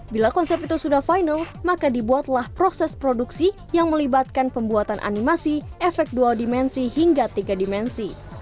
bila konsep itu sudah final maka dibuatlah proses produksi yang melibatkan pembuatan animasi efek dua dimensi hingga tiga dimensi